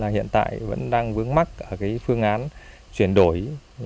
hiện tại vẫn đang vướng mắt ở phương án chuyển đổi